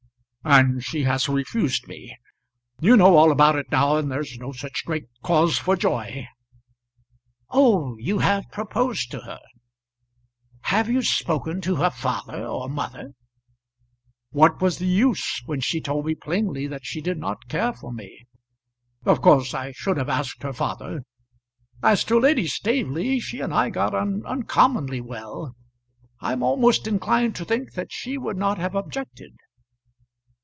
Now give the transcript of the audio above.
"And she has refused me. You know all about it now, and there's no such great cause for joy." "Oh, you have proposed to her. Have you spoken to her father or mother?" "What was the use when she told me plainly that she did not care for me? Of course I should have asked her father. As to Lady Staveley, she and I got on uncommonly well. I'm almost inclined to think that she would not have objected."